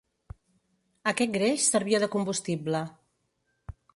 Aquest greix servia de combustible.